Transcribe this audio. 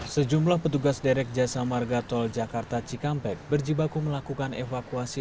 sejumlah petugas derek jasa marga tol jakarta cikampek berjibaku melakukan evakuasi